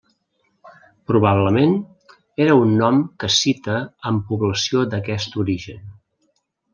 Probablement, era un nom cassita amb població d'aquest origen.